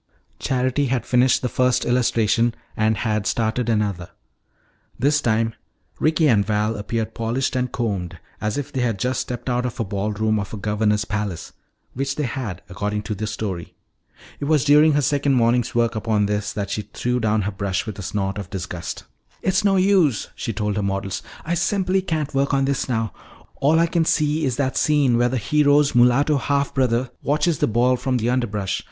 Charity had finished the first illustration and had started another. This time Ricky and Val appeared polished and combed as if they had just stepped out of a ball room of a governor's palace which they had, according to the story. It was during her second morning's work upon this that she threw down her brush with a snort of disgust. "It's no use," she told her models, "I simply can't work on this now. All I can see is that scene where the hero's mulatto half brother watches the ball from the underbrush.